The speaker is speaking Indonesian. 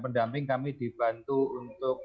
pendamping kami dibantu untuk